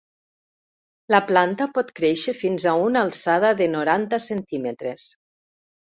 La planta pot créixer fins a una alçada de noranta centímetres.